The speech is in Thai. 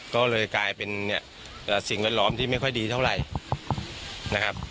ก็เลยกลายเป็นเนี่ยสิ่งแวดล้อมที่ไม่ค่อยดีเท่าไหร่นะครับ